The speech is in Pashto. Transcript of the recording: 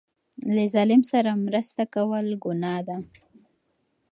له ظالم سره مرسته کول ګناه ده.